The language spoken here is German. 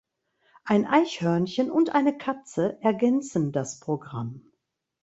Ein Eichhörnchen und eine Katze ergänzen das Programm.